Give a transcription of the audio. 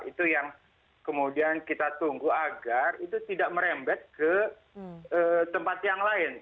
itu yang kemudian kita tunggu agar itu tidak merembet ke tempat yang lain